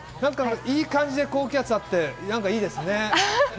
いい感じで高気圧があって、なんかいい感じですね。